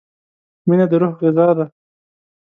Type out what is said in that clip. مینه د روح غذا ده.